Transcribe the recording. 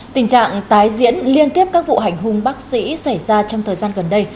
tình trạng tái diễn liên tiếp các vụ hành hung bác sĩ xảy ra trong thời gian gần đây